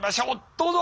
どうぞ！